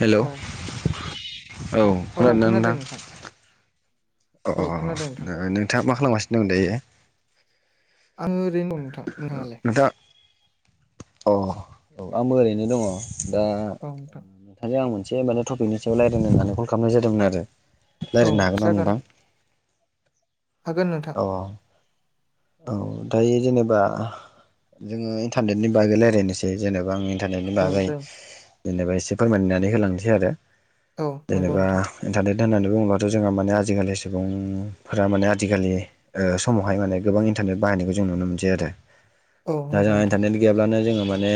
Hello औ औ खोनादों ना नोंथां अ औ ओ खोनादों नोंथां नोंथाङा मा खालामगासिनो दं दायो आङो ओरैनो दं नोंथां नोंथाङालाय? नोंथाङा अ औ आंबो ओरैनो दङ दा औ नोंथां दायो आं मोनसे माने टपिकनि सायाव रायज्लायनो होननानै कल खालामनाय जादोंमोन आरो औ रायल्लायनो हागोन ना जागोन नोंथां? हागोन नोंथा अ औ दायो जेनेबा जोङो इन्टारनेटनि बागै रायज्लायनोसै जेनेबा आं इन टारनेथनि औ बागै जागोन जेनेबा एसे फोरमायनानै होलांसै आरो औ नंगौ जेनेबा नोंथां इन्टारनेेट होननानै बुङोब्लाथ' जोंहा माने आजिखालि सुबुंफोरा माने आजिखालि ओ समावहाय माने गोबां इन्टारनेट बाहायनायखौ जों नुनो मोनसै आरो दा जोंहा इन्टारनेट गैयाब्लानो जोङो माने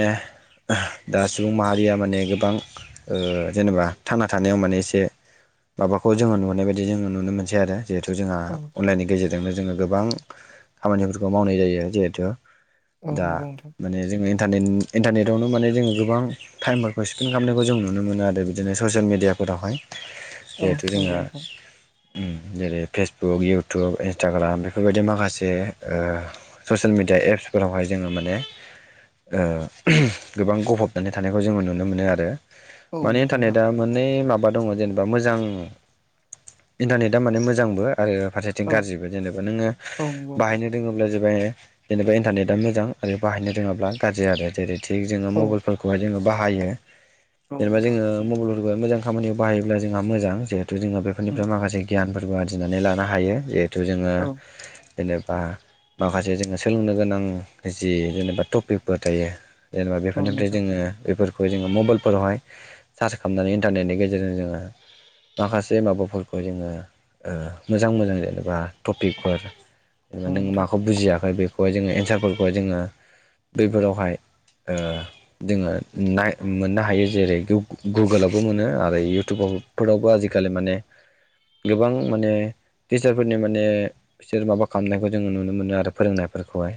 दा सुबुं माहारिया माने गोबां ओ जेनेबा थाना थानायाव माने एसे माबाखौ जोङो नुनाय बायदि जोङो नुनो मोनसै आरो जिहेथु जोंहा औ अनलाइननि गेजेरजोंनो जोङो गोबां खामानिफोरखौ मावनाय जायो जिहेथु दा नंगौ नोंथां माने जोंङो इन इन्टारनेन इन्टारनेटआवनो माने जोङो गोबां टाइमफोरखौ स्पेन्ड खालामनायखौ जों नुनो मोनो आरो बिदिनो ससियेल मिडियाफोरावहाय औ जिहेथु जोंहा नंगौ नोंथां जेरै फेसबुक, इउटुब, इन्सटाग्राम बेफोरबायदि मा माखासे ससियेल मिडिया एप्सफोरावहाय जोङो माने ओ गोबां गफबनानै थानायखौ जोङो नुनो मोनो आरो औ नंगौ नोंथां औ नंगौ मानि नोंथां इन्टारनेदा मोनै माबा दङ जेनेबा मोजां इन्टारनेटआ माने मोजांबो आरो फारसे बिथिं औ गाज्रिबोे जेनेबा नोङो औ नंगौ नोथां बाहायनो रोङोब्ला जेबाय जेनेबा इन्टारनेटआ मोजां आरो बाहायनो रोङाब्ला गाज्रि आरो जेरै थिग जोंङो औ मबाइलफोरखौहाय जोंङो बाहायो औ जेनेबा नोंथां जोङो मब गुलुलुगुआ मोजां खामानियाव बाहायोब्ला जोंहा मोजां जिहेथु जोंहा बेफोरनिफ्राय उम माखासे गियानफोर दुबुआदिनानै लानो हायो जिहेथु जोङो औ जेनेबा माखासे जोङो सोलोंनो गोनां जि जेनेबा टपिकफोर थायो जेनेबा औ बेफोरनिफ्राय नोंथां जोङो बेफोर खौजोङो मबाइलफोरावहाय सार्च खालामनानै इन्टारनेटनि गेजेरजों जोङो माखासे माबाफोरखौ जोङो मोजां मोजां जेनेबा ट [unintelligible] औ नों नोंथां माखौ बुजियाखै बेखौहाय जोङो एन्सारफोरखौहाय जोङो बैफोरावहाय ओ जोङो नाय मोननो हायो जेरै गु गुगोलावबो मोनो आरो इउटुबावबो फोरावबो आजिखालि माने गोबां माने टिचारफोरनि माने बिसोर माबा खालामनायखौ जोङो नुनो मोनो आरो फोरोंनायफोरखौहाय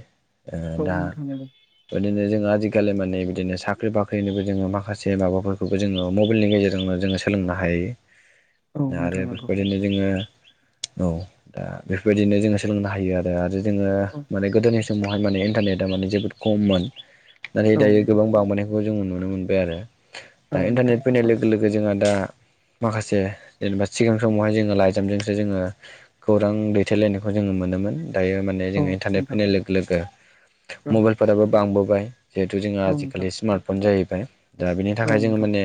ओ औ दा बिदिनो जोङो आजिखालि माने बिदिनो साख्रि बाख्रिनिबो जोङो माखासे माबाफोरखौबो जोङो मबेलनि गेजेरजोंनो जोङो सो सोलोंनो हायो। आरो नोंथां नंगौ बेफोरबायदिनो जोङो औ दा बेफोरबायदिनो जोङो सोलोंनो हायो आरो दादि नोंङो औ माने गोदोनि समावहाय माने इन्टारनेटआ माने जोबोद खममोन नाथाय नोंथां नंगौ औ दायो नोंथां गोबां बांबोनायखौ जों नुनो मोनबाय आरो दा औ इन्टारनेट नोंथां फैनाय लोग गो लोगो जोंहा दा माखासे जेनेबा सिगां समावहाय जोङो लाइजामजोंसो जोङो दां दैथायलायनायखौ जोङो मोनोमोन दायो माने औ जोङो इनथारनेट नोंथां फैनाय लोग लोगो औ मबाइलफोराबो बांबोबाय जिहेथु जोंहा औ नोंथां आजिखालि स्मार्टफन जाहैबाय दा बेनि औ थाखाय जोङो नोंथां माने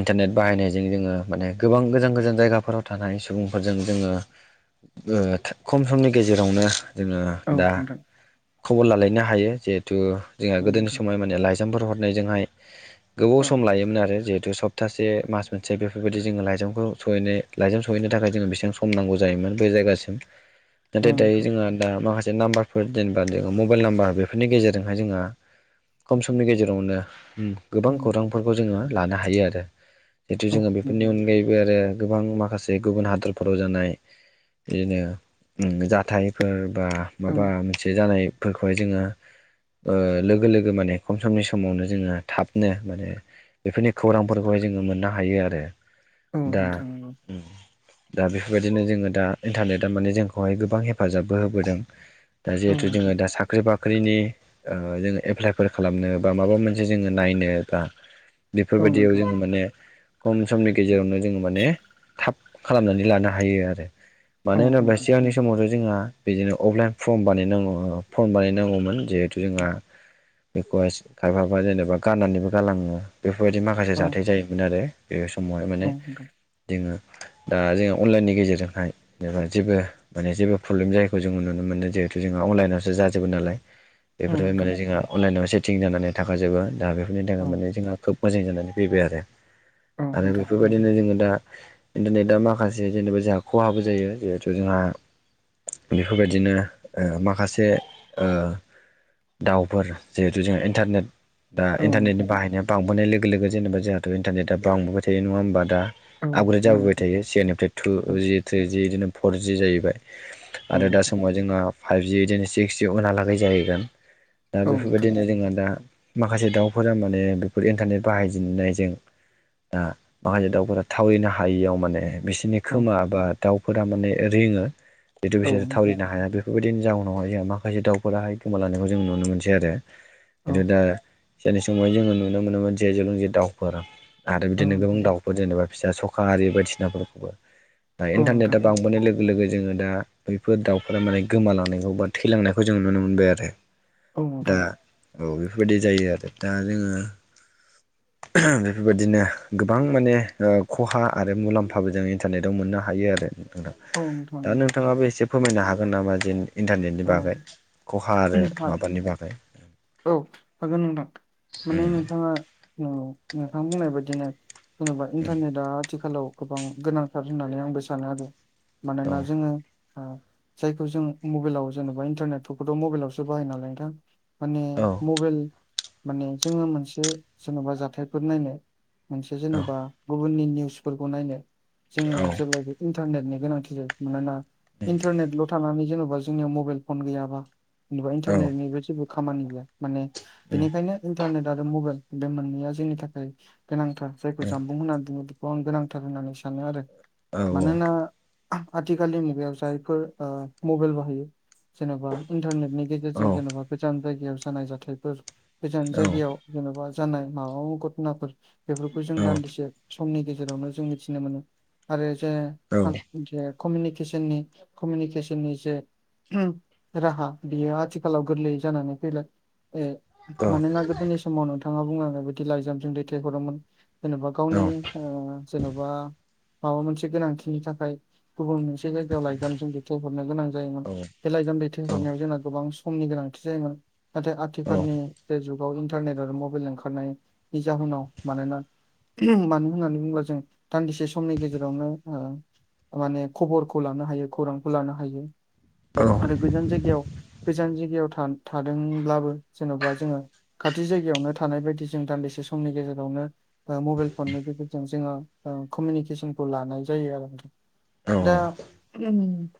इन्टारनेट बाहायनायजों जोङो माने गोबां गोजान गोजान जायगाफोराव थानाय सुबुंफोरजों जोङो ओ खम समनि गेजेरावनो जोङो औ दा नोंथां खबर लालायनो हायो जिहेथु जोंहा औ गोदोनि नोंथां समाव माने लाइजामफोर हरनायजोंहाय गोबाव औ सम लायोमोन आरो जिहेतु सब तासे मास मोनसे बेफोरबायदि जोङो लाइजामखौ सहैनो लाइजाम सहैनो थाखाय जो बेसेबां स हमनांगौ जायोमोन बे जायगासिम औ नाथाय दायो नोंथां जोंहा दा माखासे नामबार बेफोर जेनेबा मबाइल नाम्बार बेफोरनि गेजेरजोंहाय जोंहा खम समनि गेजेरावनो उम औ गोबां नोंथां खौरांफोरखौ जोङो लानो हायो आरो जितु औ जोङो बेफोरनि मोजां अनगायैब बे आरो गोबां माखासे गुबुन हादरफोराव जानाय बिदिनो उम जाथाय फोर बा औ माबा मोनसे जानायफोरखौहाय जोङो ओ लोगो लोगो माने खम समनि समावनो जोङो थाबनो माने बेफोरनि खौरांफोरखौहाय जोङो मोननो हायो आरो औ दा नोंथां नंगौ दा बेफोरबायदिनो जोङो दा इन्टारनेटआ माने जोंखौहाय गोबां हेफाजाबबो होबोदों। दा औ जिहेतु नोंथां जोङो दा सा ख्रि बाख्रिनि ओ जोङो एप्लाइफोर खालामनो बा माबा मोनसे जोङो नायनो बा औ बेफोरबायदियाव नोंथां जोङो माने खम समनि गेजेरावनो जोङो माने थाब खालामनानै लानो हायो आरो औ मानो होनोब्ला नोंथां सिगांनि समावथ' जोंहा बिदिनो अफलाइन फर्म बानायनांगौ फर्म बानायनांगौमोन। जिहेथु जोंहा बेखौहाय खायफाबा जेनेबा गाननानैबो गालाङो बेफोरबायदि माख खासे औ जाथाय जायोमोन आरो बे समावहाय औ माने नोंथां जोङो दा जोंङो अनलाइननि गेजेरजोंहाय नोंहा जेबो माने जेबो प्रब्लेम जायैखौ जों नुनो मोनो जिहेथु जोंहा अनलाइनावसो जोबो नालाय। औ बेफोरहाय नोंथां माने जोंहा अनलाइनाव सेथिं जानानै थाखाजोबो दा बेफोरनि औ थाखाय माने जोंहा खोब मोजां जानानै फैबाय आरो औ आरो नोंथां बेफोरबायदिनो जोङो दा इन्टारनेटआ माखासे जेनेबा जोंहा खहाबो जायो जिहेथु जोंहा बेफोरबायदिनो ओ माखासे ओ दाउफोर जिहेथु जों इन्टारनेट दा औ इन्टारनेटनि नोंथां बाहायनाया बांबोनाय लोगो लोगो जेनेबा जोंहाथ' इन्टारनेटआ बांबोबाय थायो नङा ओमबा दा औ आपग्रेड जाबोबाय नोंथां थायो से निफ्राय टु औ जि थ्रिजि बिदिनो फर जि जाहैबाय। औ आरो दा नोंथां समाव जोङो फाइभजि बिदिनो सिक्सजि उनहा लागै जाहैगोन। दा औ नोंथां बेफोरबायदिनो जोंहा दा माखासे दाउफोरा माने बेफोर इन्टारनेट बाहायजेनन्नायजों दा माखासे दाउफोरा थावरिनो हा हायियाव माने बिसिनि औ खोमा बा दाउफोरा माने रिङो। जिथु औ बिसोरो नोंथां औ नोंथां थावरिनो हाया बेफोरबायदिनि जाउनावहाय जोंहा माखासे दाउफोराहाय गोमालानायखौ जों नुनो मोनसै आरो [unintelligible] दा जोनि समावहाय जोङो नुनो मोनोमोन जे जों जे दाउफोरा आरो औ बिदिनो गोबां नोंथां दाउफोर जेनेबा फिसा सखा आरि बायदिनाफोरखौबो दा औ नोंथां इन्टारनेटा बांबोनाय लोग लोगो जोङो दा बैफोर दाउफोरा माने गोमालांनायखौ बा थैलांनायखौ जोङो नुनो मोनबाय आरो औ दा औ बेफोरबायदि जायो आरो दा जोङो [unintelligible] बेफोरबादिनो गोबां माने ओ खहा आरो मुलाम्फाबो जों इन्टारनेटव मोननो हायो आरो नोंथां दा नंगौ नोंथाङाबो एसे फोरमायनो हागोन नामा जेन इन्टारनेटनि बागै खहा आरो औ माबानि बागै औ हागोन नोंथां माने उम नोंथाङा औ नोंथां बुंनाय बायदिनो जेन'बा इन्टारनेटआ थिखालाव गोबां गोनांथार होननानै आंबो सानो आरो औ मानोना जोङो ओ जायखौ जों मबाइलाव जेनबा इन्टारनेटफोरखौथ' मबाइलावसो बाहाय नालाय नोंथां। माने औ मबेल माने जोङो मोनसे जेन'बा जाथायफोर नायनाय मोनसे जेन'बा गुबुननि निउसफोरखौ नायनो जोङो औ जेब्लायबो इन्टारनेटनि गोनांथि जायो मानोना इन्टारनेटल' थानानै जेन'बा जोंनियाव मबाइल फन गैयाबा जेनेबा औ इन्टारनेटनिबो जेबो खामानि गैया माने उम बेनिखायनो इन्टारनेट आरो मबाइल बे मोननैया जोंनि थाखाय गोनांथार जायखौ औ जानबुं होननानै बुङो खौ आं गोनांथार होननानै सानो आरो मानोना आथिखालनि मुगायाव जायफोर ओ मबाइल बाहायो जेनबा इन्टारनेटनि गेज जों जेन'बा गोजान जायगायाव जानाय जाथायफोर गोजान जायगायाव जेन'बा जानाय माबा मा घथ'नाफोर बेफोरखौ जों दान्दिसे समनि गेजेरावनो जों मिथिनो मोनो आरो जे हां जे कमिनिकेसननि कमिनिकेसननि जे [unintelligible] राहा बियो आथिखालाव गोरलैयै जानानै फैबाय ए मानोना गोदोनि स समाव नोंथाङा बुंलांनाय बिदि लाइजामजों दैथायहरोमोन जेनेबा गावनि ओ जेन'बा माबा मोनसे गोनांथिनि थाखाय गुबुन मोनसे से जायगायाव लायजाम जों दैथ हरनो गोनां जायोमोन बे लाइगाम दैथाय हरनायाव जोंना गोबां समनि गोनांथि जायोमोन नाथाय आथिखालनि जे जुग बाव इन्टारनेट आरो मबाइल ओंखारनायनि जाहोनाव मानोना [unintelligible] मानो होननानै बुङोब्ला जों दान्दिसे समनि गेजेरावनो ओ माने खबरखौ लानो हायो खौरांखौ लानो हायो आरो गोजान जायगायाव गोजान जायगायाव था थादोंब्लाबो जेन'बा जोङो खाथि जायगायावनो थानाय बायदि जों दान्दिसे समनि गेजेरावनो मबाइल फननि गेजेरजों जोङो कमिउनिकेसनखौ लानाय जायो आरो दा [unintelligible]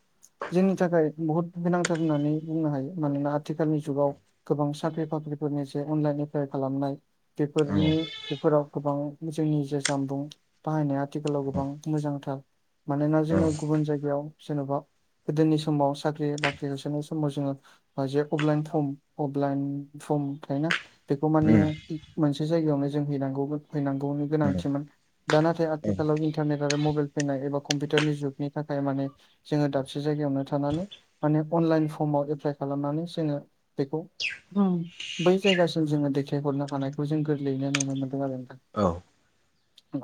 जोंनि थाखाय बुहुत गोनांथार होननानै बुंनो हायो मानोना आथिखालनि जुगाव गोबां साख्रि बाख्रिफोरनि जे अनलाइन एप्लाइ खालामनाय बेफोरनि बेफोराव गोबां जोंनि जे जामबुं बाहायनाय आथिखालाव गोबां मोजांथार मानोना जोङो गुबुन जायगायाव जेन'बा गोदोनि समाव साख्रि बाख्रि होसोनाय समाव जोङो जे अफलाइन फर्म अफलाइन फर्म थाय ना बेखौ माने मोनसे जायगायावनो जों हैनांगौ हैनांगौनि गोनांथिमोन दा नाथाय आथिखालाव इन्टारनेट आरो मबाइल फैनाय एबा कम्पिउटारनि जुगनि थाखाय माने जोङो दाबसे जायगायावनो थानानै माने अनलाइन फर्माव एप्लाइ खालामनानै जोङो बेखौ होम बै जायगासिम जोङो देथायहरनो हानायखौ जों गोरलैयैनो नुनो मोन्दों आरो नोंथां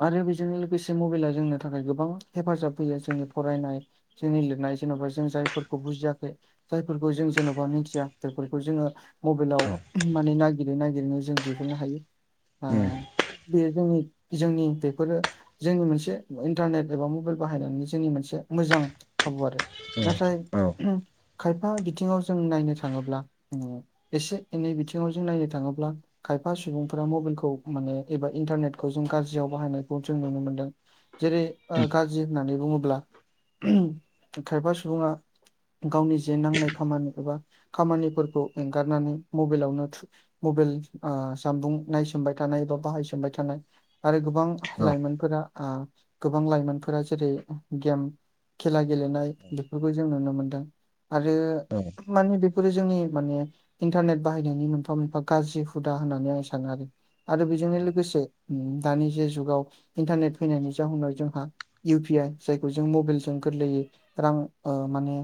आरो बिजोंनो लोगोसे मबाइला जोंनो थाखाय गोबां हेफाजाब होयो जोंनि फरायनाय जोंनि लिरनाय जेन'बा जों जायफोरखौ बुजियाखै जायफोरखौ जों जेन'बा मिथिया बेफोरखौ जोङो मबाइलाव [unintelligible] माने नागिरै नागिरनो जों दिहुननो हायो ओ ए बे जोंनि जोंनि बेफोरो जोंनि मोनसे इन्टारनेट एबा मबेल बाहायनायनि जोंनि मोनसे मोजां खाबु आरो नाथाय [unintelligible] खायफा बिथिङाव जों नायनो थाङोब्ला ओम एसे एनै बिथिङाव जों नायनो थाङोब्ला खायफा सुबुंफोरा मबेलखौ माने एबा इन्टारनेटखौ जों गाज्रियाव बाहायनायखौ जों नुनो मोनदों जेरै गाज्रि होननानै बुङोब्ला खायफा सुबुङा गावनि जे नांनाय खामानि एबा खामानिफोरखौ एंगारनानै मबाइलावनो मबाइल आ जानबुं नायसोमबाय थानाय बा बाहायसोमबाय थानाय आरो गोबां लाइमोनफोरा आ गोबां लाइमोनफोरा जेरै गेम खेला गेलेनाय बेफोरखौ जों नुनो मोनदों। आरो माने बे गोदो जोंनि माने इन्टारनेट बाहायनायनि मोनफा मोनफा गाज्रि हुदा होननानै आं सानो आरो आरो बेजोंनो लोगोसे दानि जे जुगाव इन्टारनेट फैनायनि जाहनाव जोंहा इउ पि आइ जायखौ जों मबेलजों गोरलैयो रां ओ माने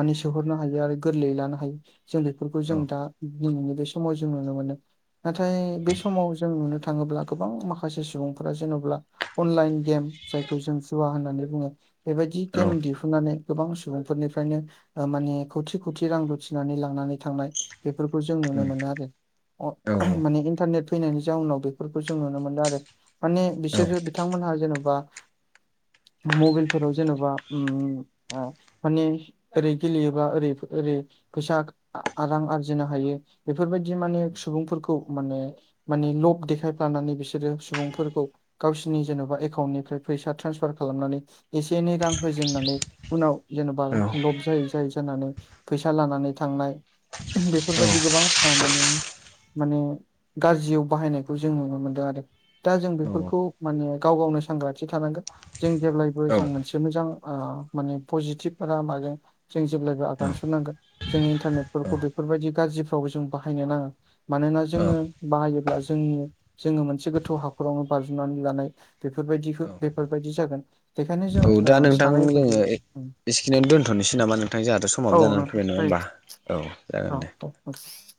माने सोहरनो हायो आरो गोरलैयै लानो हायो जों बेफोरखौ जों दा दिनैनि बे समाव जों नुनो मोनो नाथाय बे समाव जों नुनो थाङोब्ला गोबां माखासे सुबुंफोरा जेन'ब्ला अनलाइन गेम जायखौ जों जुवा होननानै बुङो बेबायदि गेम [unintelligible] सुनानै गोबां सुबुंफोरनिफ्रायनो माने खौथि- खौथि रां लुथिनानै लांनानै थांनाय बेफोरखौ जों नुनो मोनो आरो। माने इन्टारनेट फैनायनि जाउनाव बेफोरखौ जों नुनो मोनदों आरो। माने बिसोर बिथांमोनहा जेन'बा मबाइलफोराव जेनेबा ओम आ माने ओरै गेलेयोबा ओरै -ओरै फैसा रां आरजिनो हायो बेफोरबायदि माने सुबुंफोरखौ माने माने लब देखायफ्लानानै बिसोरो सुबुंफोरखौ गावसिरनि जेन'बा एकाउन्टनिफ्राय फैसा ट्रेन्सफार खालामनानै एसे एनै रां होजेननानै उनाव जेनेबा लब जायै -जायै जानानै फैसा लानानै थांनाय बेफोरबायदि गोबां ओ माने माने गाज्रियाव बाहायनायखौ जों नुनो मोनदों आरो। दा जों बेफोरखौ माने गाव गावनो सांग्रांथि थानांगोन। जों जेब्लायबो जों मोनसे मोजां आ माने पजिटिभ लामाजों जों जेब्लायबो आगान सुरनांगोन। जों इन्टारनेटफोरखौ बेफोरबायदि गाज्रिफ्रावबो जों बाहायनो नाङा। मानोना जोङो बाहायोब्ला जोंनि जोङो मोनसे गोथौ हाखरावनो बाज्रुमनानै लानाय बेफोरबायदि -बेफोरबायदि जागोन। बेखायनो जों सानै हयै बेसेखिनियाव दोन्थ'नोसै नामा नोंथां जोंहाथ' औ समाबो जानानै नोंथां फैबाय नङा जायो होमबा? औ जागोन दे। [unintelligible]